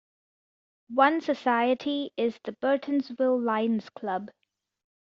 One society is the Burtonsville Lions Club.